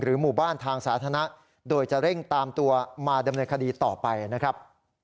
หมู่บ้านทางสาธารณะโดยจะเร่งตามตัวมาดำเนินคดีต่อไปนะครับ